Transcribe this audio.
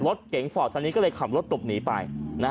รถเก๋งฟอร์ดคันนี้ก็เลยขับรถหลบหนีไป